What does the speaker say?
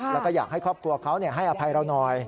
แล้วก็อยากให้ครอบครัวเขาให้อภัยเราหน่อย